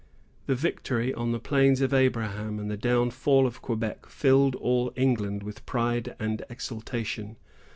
The victory on the Plains of Abraham and the downfall of Quebec filled all England with pride and exultation.